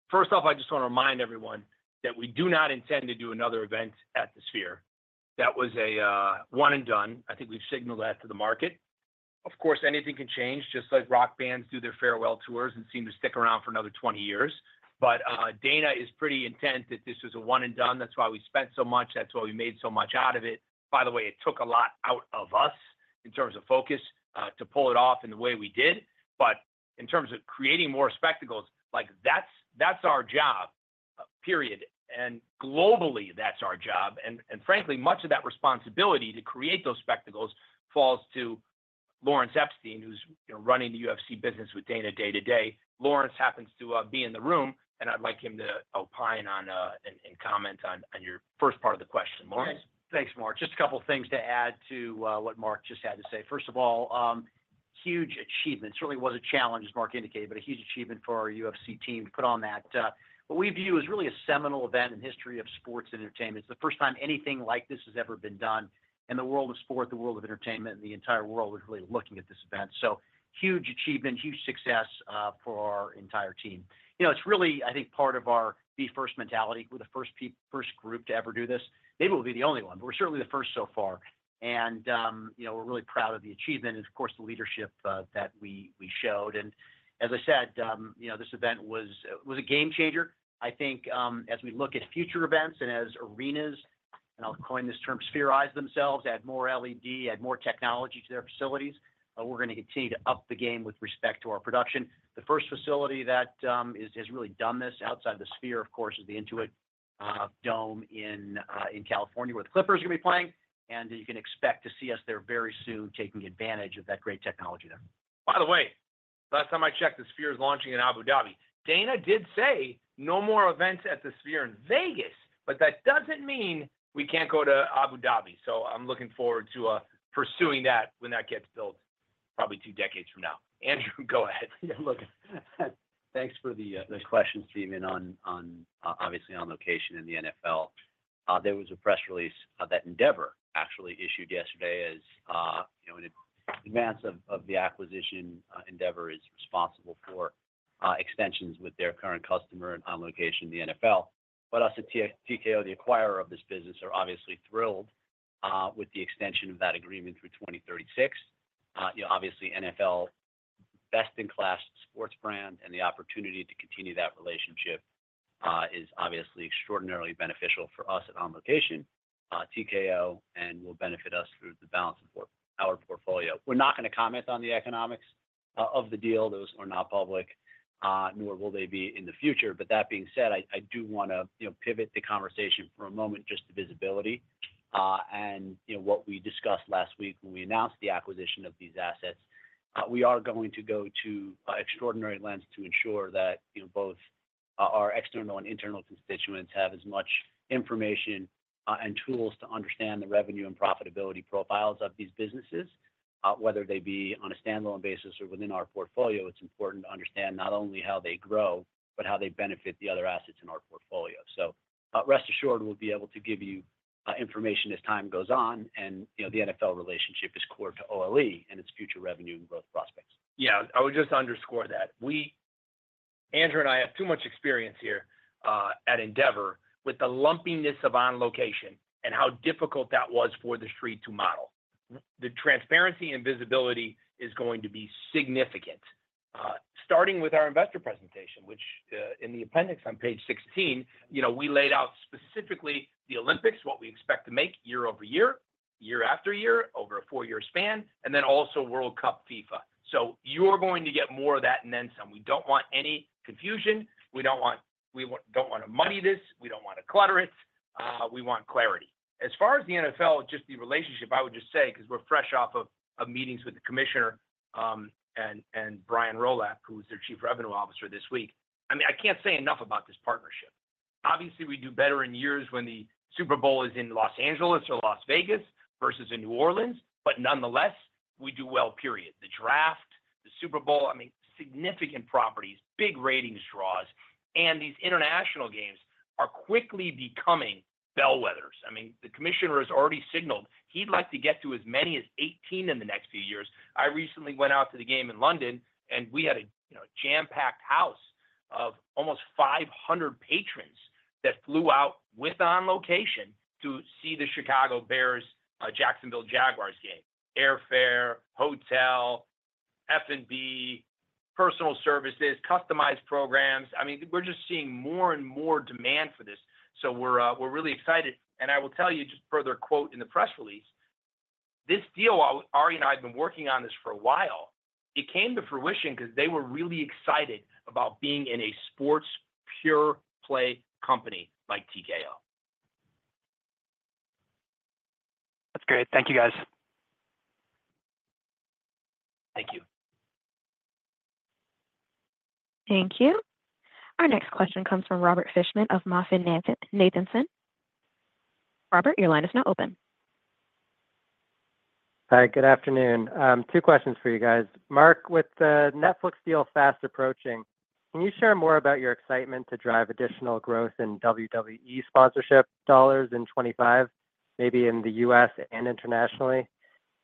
F: first off, I just want to remind everyone that we do not intend to do another event at the Sphere. That was a one-and-done. I think we've signaled that to the market. Of course, anything can change, just like rock bands do their farewell tours and seem to stick around for another 20 years. But Dana is pretty intent that this was a one-and-done. That's why we spent so much. That's why we made so much out of it. By the way, it took a lot out of us in terms of focus to pull it off in the way we did. But in terms of creating more spectacles, that's our job. Period. And globally, that's our job. And frankly, much of that responsibility to create those spectacles falls to Lawrence Epstein, who's running the UFC business with Dana day to day. Lawrence happens to be in the room, and I'd like him to opine and comment on your first part of the question. Lawrence?
C: Thanks, Mark. Just a couple of things to add to what Mark just had to say. First of all, huge achievement. It certainly was a challenge, as Mark indicated, but a huge achievement for our UFC team to put on that. What we view as really a seminal event in the history of sports and entertainment. It's the first time anything like this has ever been done, and the world of sport, the world of entertainment, and the entire world was really looking at this event, so huge achievement, huge success for our entire team. It's really, I think, part of our be first mentality. We're the first group to ever do this. Maybe we'll be the only one, but we're certainly the first so far, and we're really proud of the achievement and, of course, the leadership that we showed, and as I said, this event was a game changer. I think as we look at future events and as arenas, and I'll coin this term, Sphere-ize themselves, add more LED, add more technology to their facilities, we're going to continue to up the game with respect to our production. The first facility that has really done this outside the Sphere, of course, is the Intuit Dome in California where the Clippers are going to be playing. And you can expect to see us there very soon taking advantage of that great technology there. By the way, last time I checked, the Sphere is launching in Abu Dhabi. Dana did say no more events at the Sphere in Vegas, but that doesn't mean we can't go to Abu Dhabi. So I'm looking forward to pursuing that when that gets built, probably two decades from now. Andrew, go ahead.
D: Thanks for the question, Stephen, obviously On Location in the NFL. There was a press release that Endeavor actually issued yesterday as an advance of the acquisition. Endeavor is responsible for extensions with their current customer On Location, the NFL. But us at TKO, the acquirer of this business, are obviously thrilled with the extension of that agreement through 2036. Obviously, NFL, best-in-class sports brand, and the opportunity to continue that relationship is obviously extraordinarily beneficial for us at On Location, TKO, and will benefit us through the balance of our portfolio. We're not going to comment on the economics of the deal. Those are not public, nor will they be in the future. But that being said, I do want to pivot the conversation for a moment just to visibility. And what we discussed last week when we announced the acquisition of these assets, we are going to go to extraordinary lengths to ensure that both our external and internal constituents have as much information and tools to understand the revenue and profitability profiles of these businesses, whether they be on a standalone basis or within our portfolio. It's important to understand not only how they grow, but how they benefit the other assets in our portfolio, so rest assured, we'll be able to give you information as time goes on, and the NFL relationship is core to On Location and its future revenue and growth prospects.
C: Yeah. I would just underscore that. Andrew and I have too much experience here at Endeavor with the lumpiness of On Location and how difficult that was for the Street to model. The transparency and visibility is going to be significant. Starting with our investor presentation, which in the appendix on page 16, we laid out specifically the Olympics, what we expect to make year-over-year, year after year, over a four-year span, and then also World Cup FIFA, so you're going to get more of that and then some. We don't want any confusion. We don't want to muddy this. We don't want to clutter it. We want clarity. As far as the NFL, just the relationship, I would just say, because we're fresh off of meetings with the commissioner and Brian Rolapp, who is their Chief Revenue Officer this week, I mean, I can't say enough about this partnership. Obviously, we do better in years when the Super Bowl is in Los Angeles or Las Vegas versus in New Orleans, but nonetheless, we do well, period. The draft, the Super Bowl, I mean, significant properties, big ratings draws, and these international games are quickly becoming bellwethers. I mean, the commissioner has already signaled he'd like to get to as many as 18 in the next few years. I recently went out to the game in London, and we had a jam-packed house of almost 500 patrons that flew out with On Location to see the Chicago Bears' Jacksonville Jaguars game. Airfare, hotel, F&B, personal services, customized programs. I mean, we're just seeing more and more demand for this. So we're really excited. And I will tell you just further quote in the press release, "This deal, Ari and I have been working on this for a while. It came to fruition because they were really excited about being in a sports pure-play company like TKO."
I: That's great. Thank you, guys.
F: Thank you.
A: Thank you. Our next question comes from Robert Fishman of MoffettNathanson. Robert, your line is now open.
J: Hi. Good afternoon. Two questions for you guys. Mark, with the Netflix deal fast approaching, can you share more about your excitement to drive additional growth in WWE sponsorship dollars in 2025, maybe in the U.S. and internationally?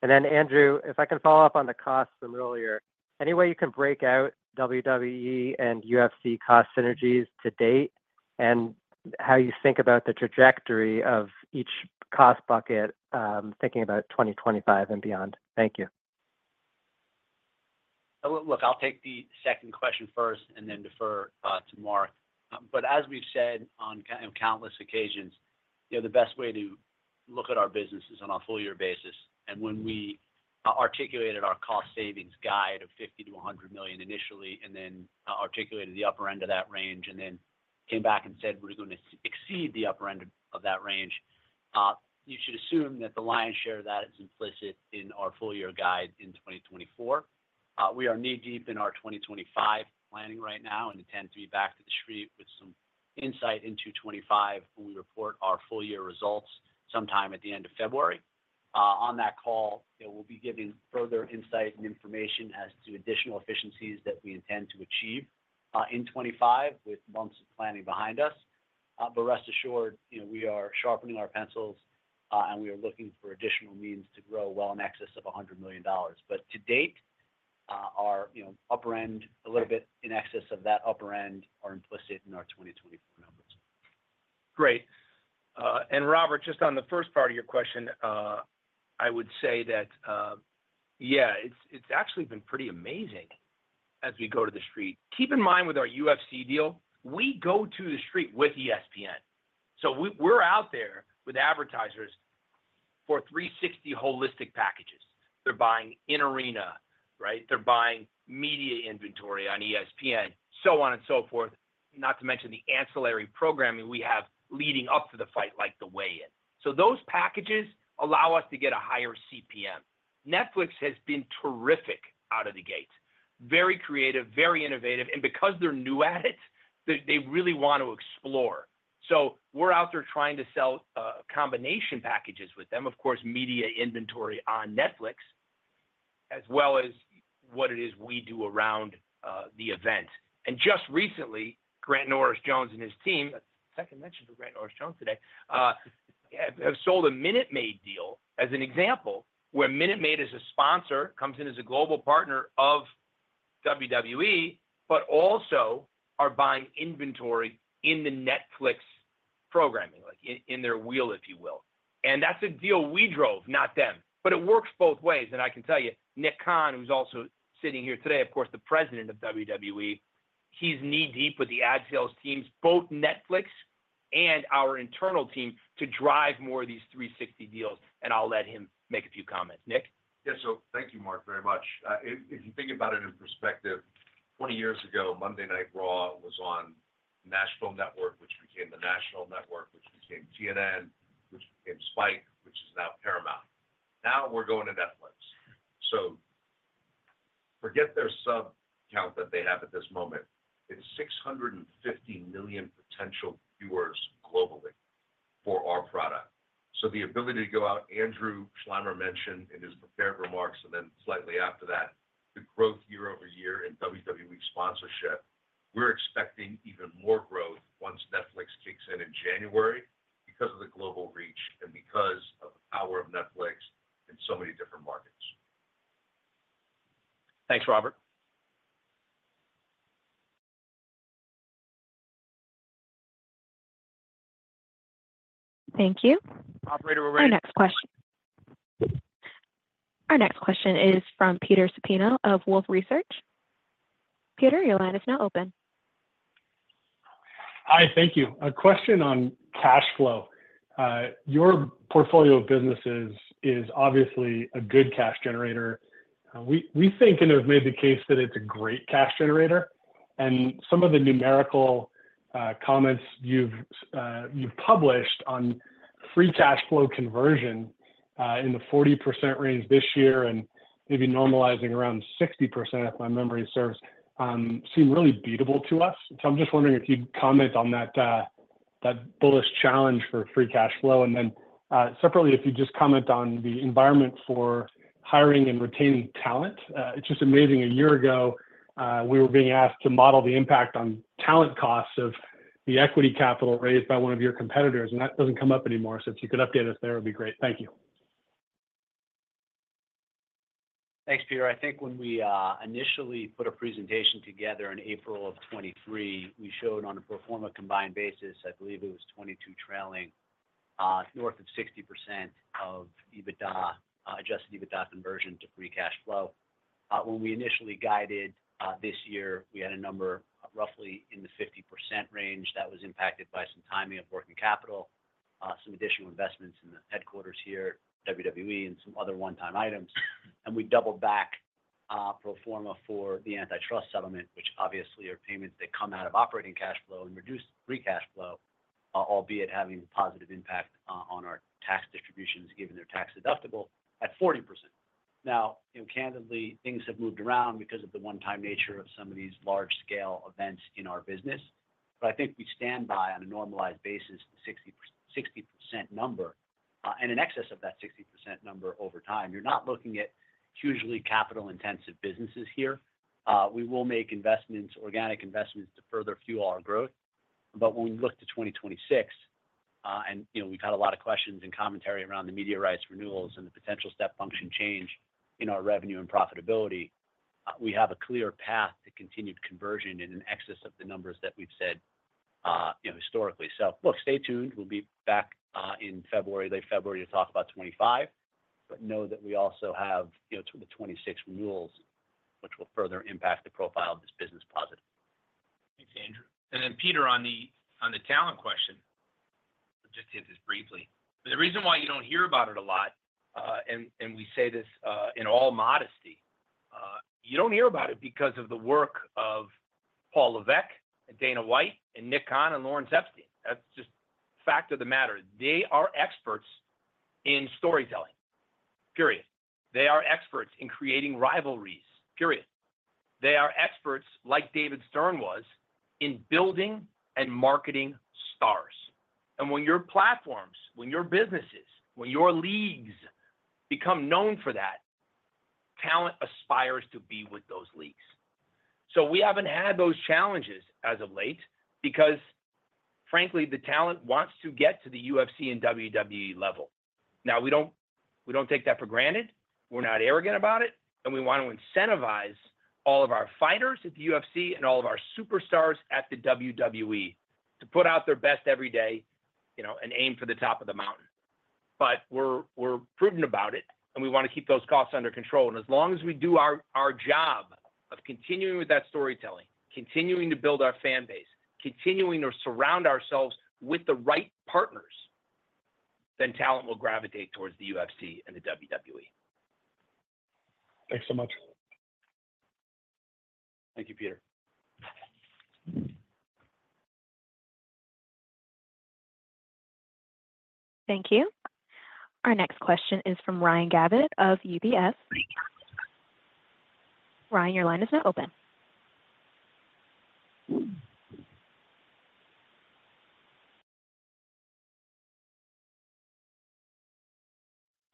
J: Then, Andrew, if I can follow up on the cost from earlier, any way you can break out WWE and UFC cost synergies to date and how you think about the trajectory of each cost bucket, thinking about 2025 and beyond? Thank you.
D: Look, I'll take the second question first and then defer to Mark. But as we've said on countless occasions, the best way to look at our business is on a full-year basis. And when we articulated our cost savings guide of $50 million-$100 million initially and then articulated the upper end of that range and then came back and said we're going to exceed the upper end of that range, you should assume that the lion's share of that is implicit in our full-year guide in 2024. We are knee-deep in our 2025 planning right now and intend to be back to the Street with some insight into 2025 when we report our full-year results sometime at the end of February. On that call, we'll be giving further insight and information as to additional efficiencies that we intend to achieve in 2025 with months of planning behind us. But rest assured, we are sharpening our pencils and we are looking for additional means to grow well in excess of $100 million. But to date, our upper end, a little bit in excess of that upper end, are implicit in our 2024 numbers. Great.
F: And Robert, just on the first part of your question, I would say that, yeah, it's actually been pretty amazing as we go to the Street. Keep in mind with our UFC deal, we go to the Street with ESPN. So we're out there with advertisers for 360 holistic packages. They're buying in arena, right? They're buying media inventory on ESPN, so on and so forth, not to mention the ancillary programming we have leading up to the fight like the way in. So those packages allow us to get a higher CPM. Netflix has been terrific out of the gate. Very creative, very innovative. And because they're new at it, they really want to explore. So we're out there trying to sell combination packages with them, of course, media inventory on Netflix, as well as what it is we do around the event. Just recently, Grant Norris-Jones and his team, second mention to Grant Norris-Jones today, have sold a Minute Maid deal as an example where Minute Maid as a sponsor comes in as a global partner of WWE, but also are buying inventory in the Netflix programming, like in their wheel, if you will. That's a deal we drove, not them. It works both ways. I can tell you, Nick Khan, who's also sitting here today, of course, the President of WWE, he's knee-deep with the ad sales teams, both Netflix and our internal team, to drive more of these 360 deals. I'll let him make a few comments. Nick?
K: Yeah. Thank you, Mark, very much. If you think about it in perspective, 20 years ago, Monday Night Raw was on The National Network, which became TNN, which became Spike TV, which is now Paramount. Now we're going to Netflix. So forget their sub count that they have at this moment. It's 650 million potential viewers globally for our product. So the ability to go out, Andrew Schleimer mentioned in his prepared remarks, and then slightly after that, the growth year-over-year in WWE sponsorship, we're expecting even more growth once Netflix kicks in in January because of the global reach and because of the power of Netflix in so many different markets. Thanks, Robert.
A: Thank you. Operator? Our next question is from Peter Supino of Wolfe Research. Peter, your line is now open.
L: Hi. Thank you. A question on cash flow. Your portfolio of businesses is obviously a good cash generator. We think and have made the case that it's a great cash generator. And some of the numerical comments you've published on free cash flow conversion in the 40% range this year and maybe normalizing around 60%, if my memory serves, seem really beatable to us. So I'm just wondering if you'd comment on that bullish challenge for free cash flow. And then separately, if you just comment on the environment for hiring and retaining talent. It's just amazing. A year ago, we were being asked to model the impact on talent costs of the equity capital raised by one of your competitors. And that doesn't come up anymore. So if you could update us there, it would be great. Thank you.
D: Thanks, Peter. I think when we initially put a presentation together in April of 2023, we showed on a pro forma combined basis, I believe it was 2022 trailing, north of 60% of Adjusted EBITDA conversion to free cash flow. When we initially guided this year, we had a number roughly in the 50% range that was impacted by some timing of working capital, some additional investments in the headquarters here, WWE, and some other one-time items. We doubled back pro forma for the antitrust settlement, which obviously are payments that come out of operating cash flow and reduce free cash flow, albeit having a positive impact on our tax distributions given their tax deductible at 40%. Now, candidly, things have moved around because of the one-time nature of some of these large-scale events in our business. But I think we stand by on a normalized basis to 60% number and in excess of that 60% number over time. You're not looking at hugely capital-intensive businesses here. We will make organic investments to further fuel our growth. But when we look to 2026, and we've had a lot of questions and commentary around the media rights renewals and the potential step function change in our revenue and profitability, we have a clear path to continued conversion in an excess of the numbers that we've said historically. So look, stay tuned. We'll be back in late February 2025 to talk about 2025. But know that we also have the 2026 renewals, which will further impact the profile of this business positively.
F: Thanks, Andrew. And then, Peter, on the talent question, just hit this briefly. The reason why you don't hear about it a lot, and we say this in all modesty, you don't hear about it because of the work of Paul Levesque, Dana White, and Nick Khan and Lawrence Epstein. That's just the fact of the matter. They are experts in storytelling. Period. They are experts in creating rivalries. Period. They are experts, like David Stern was, in building and marketing stars. And when your platforms, when your businesses, when your leagues become known for that, talent aspires to be with those leagues. So we haven't had those challenges as of late because, frankly, the talent wants to get to the UFC and WWE level. Now, we don't take that for granted. We're not arrogant about it. And we want to incentivize all of our fighters at the UFC and all of our superstars at the WWE to put out their best every day and aim for the top of the mountain. But we're prudent about it, and we want to keep those costs under control. And as long as we do our job of continuing with that storytelling, continuing to build our fanbase, continuing to surround ourselves with the right partners, then talent will gravitate towards the UFC and the WWE.
L: Thanks so much.
F: Thank you, Peter.
A: Thank you. Our next question is from Ryan Gravett of UBS. Ryan, your line is now open.
F: I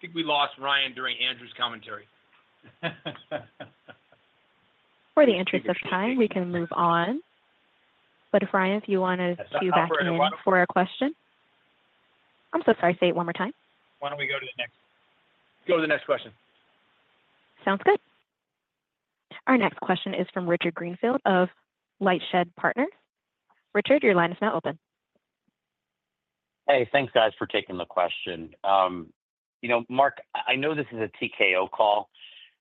F: think we lost Ryan during Andrew's commentary.
A: For the interest of time, we can move on. But if Ryan, if you want to cue back in for a question. I'm so sorry. Say it one more time.
B: Why don't we go to the next? Go to the next question.
A: Sounds good. Our next question is from Richard Greenfield of LightShed Partners. Richard, your line is now open.
M: Hey, thanks, guys, for taking the question. Mark, I know this is a TKO call,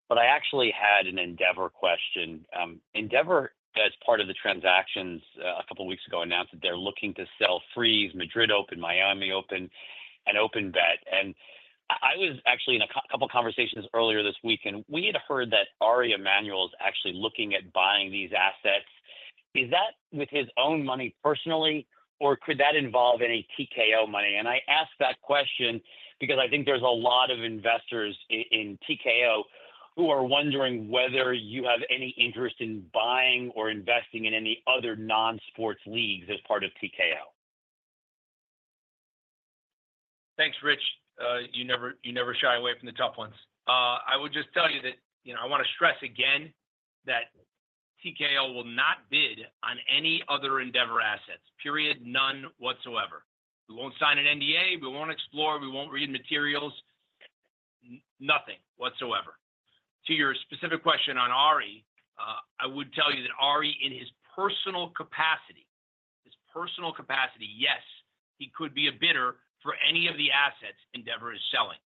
M: but I actually had an Endeavor question. Endeavor, as part of the transactions a couple of weeks ago, announced that they're looking to sell Frieze, Madrid Open, Miami Open, and OpenBet. And I was actually in a couple of conversations earlier this week, and we had heard that Ari Emanuel is actually looking at buying these assets. Is that with his own money personally, or could that involve any TKO money? And I ask that question because I think there's a lot of investors in TKO who are wondering whether you have any interest in buying or investing in any other non-sports leagues as part of TKO.
F: Thanks, Rich. You never shy away from the tough ones. I would just tell you that I want to stress again that TKO will not bid on any other Endeavor assets. Period. None whatsoever. We won't sign an NDA. We won't explore. We won't read materials. Nothing whatsoever. To your specific question on Ari, I would tell you that Ari, in his personal capacity, his personal capacity, yes, he could be a bidder for any of the assets Endeavor is selling.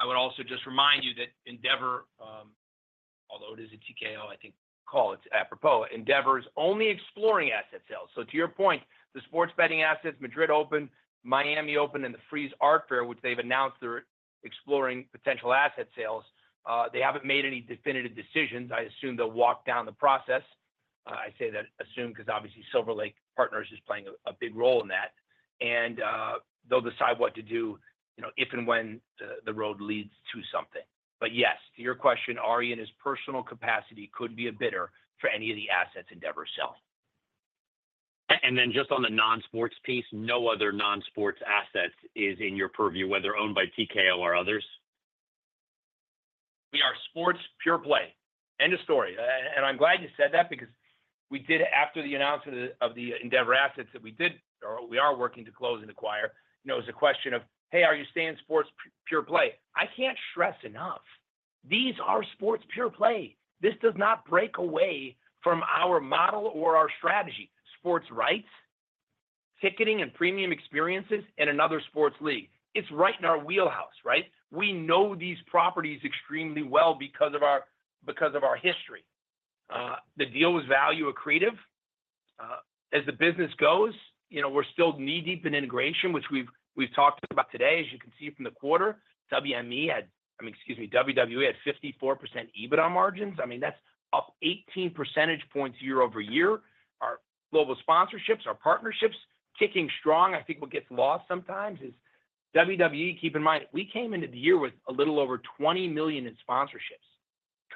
F: I would also just remind you that Endeavor, although it is a TKO, I think calling it is apropos, Endeavor is only exploring asset sales. To your point, the sports betting assets, Madrid Open, Miami Open, and the Frieze Art Fair, which they've announced they're exploring potential asset sales, they haven't made any definitive decisions. I assume they'll walk through the process. I say that assumption because obviously Silver Lake is playing a big role in that. They'll decide what to do if and when the road leads to something. Yes, to your question, Ari, in his personal capacity, could be a bidder for any of the assets Endeavor is selling.
M: Then just on the non-sports piece, no other non-sports asset is in your purview, whether owned by TKO or others?
F: We are sports pure play. End of story. I'm glad you said that because we did, after the announcement of the Endeavor assets that we did, or we are working to close and acquire, it was a question of, "Hey, are you staying sports pure play?" I can't stress enough. These are sports pure play. This does not break away from our model or our strategy. Sports rights, ticketing, and premium experiences in another sports league. It's right in our wheelhouse, right? We know these properties extremely well because of our history. The deal was value accretive. As the business goes, we're still knee-deep in integration, which we've talked about today, as you can see from the quarter. WME had, I mean, excuse me, WWE had 54% EBITDA margins. I mean, that's up 18 percentage points year-over-year. Our global sponsorships, our partnerships, kicking strong. I think what gets lost sometimes is WWE. Keep in mind, we came into the year with a little over $20 million in sponsorships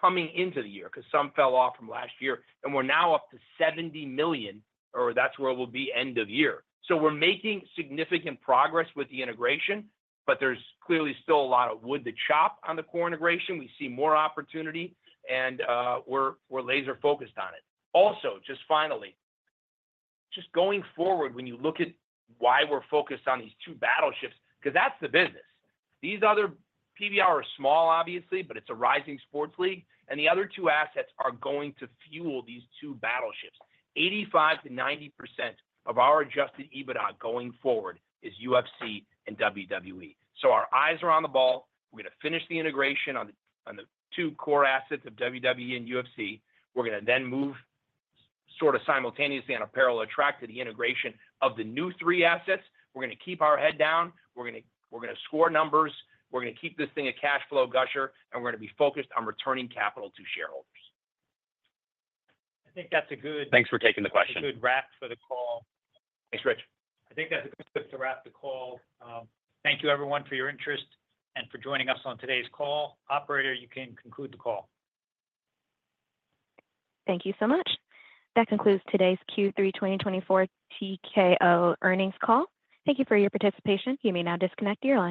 F: coming into the year because some fell off from last year. We're now up to $70 million, or that's where we'll be end of year. We're making significant progress with the integration, but there's clearly still a lot of wood to chop on the core integration. We see more opportunity, and we're laser-focused on it. Also, just finally, just going forward, when you look at why we're focused on these two battleships, because that's the business. These other PBR are small, obviously, but it's a rising sports league. The other two assets are going to fuel these two battleships. 85%-90% of our Adjusted EBITDA going forward is UFC and WWE. Our eyes are on the ball. We're going to finish the integration on the two core assets of WWE and UFC. We're going to then move sort of simultaneously on a parallel track to the integration of the new three assets. We're going to keep our head down. We're going to score numbers. We're going to keep this thing a cash flow gusher, and we're going to be focused on returning capital to shareholders. I think that's a good.
M: Thanks for taking the question. Good wrap for the call.
C: Thanks, Rich. I think that's a good wrap for the call. Thank you, everyone, for your interest and for joining us on today's call. Operator, you can conclude the call.
A: Thank you so much. That concludes today's Q3 2024 TKO earnings call. Thank you for your participation. You may now disconnect your line.